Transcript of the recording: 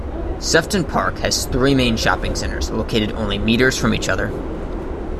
Sefton Park has three main shopping centres located only metres from each other.